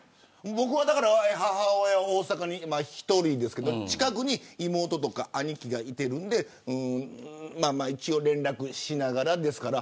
僕は母親が大阪に１人ですけれど近くに妹や兄貴がいてるんで一応連絡しながらですから。